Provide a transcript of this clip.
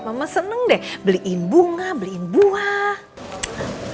mama seneng deh beliin bunga beliin buah